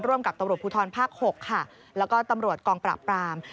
กับตำรวจภูทรภาค๖ค่ะแล้วก็ตำรวจกองปราบปราม